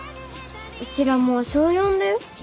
ウチらもう小４だよ。